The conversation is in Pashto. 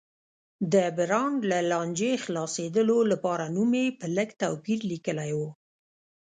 د برانډ له لانجې خلاصېدو لپاره نوم یې په لږ توپیر لیکلی و.